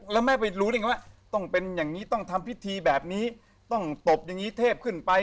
แล้วแม่ไปรู้ได้ไงว่าต้องเป็นอย่างนี้ต้องทำพิธีแบบนี้ต้องตบอย่างนี้เทพขึ้นไป